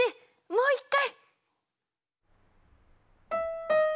もう一回！